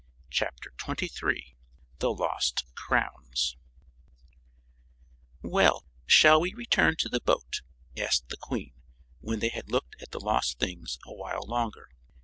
CHAPTER 19 The Lost Crowns "Well, shall we return to the boat?" asked the Queen, when they had looked at the lost things a while longer.